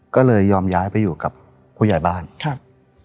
ก็เลยยอมย้ายไปอยู่กับผู้ใหญ่บ้านครับ